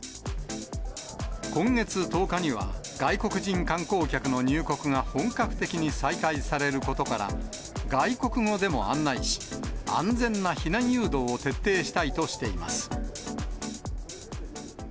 今月１０日には、外国人観光客の入国が本格的に再開されることから、外国語でも案内し、安全な避難誘導を徹底したいとしています。